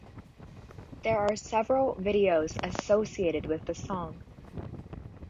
There are several videos associated with the song.